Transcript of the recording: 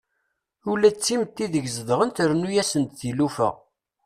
Ula d timetti ideg zegɣen trennu-asen-d tilufa.